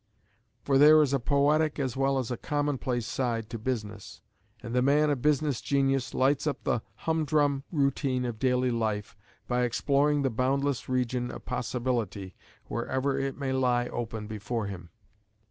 _For there is a poetic as well as a commonplace side to business; and the man of business genius lights up the humdrum routine of daily life by exploring the boundless region of possibility wherever it may lie open before him.